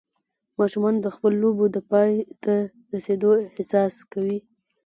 ماشومان د خپلو لوبو د پای ته رسېدو احساس کوي.